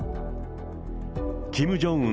キム・ジョンウン